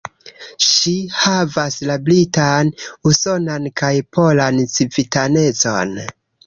Ŝi havas la britan, usonan kaj polan civitanecon.